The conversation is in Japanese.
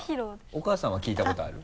お母さんは聴いたことある？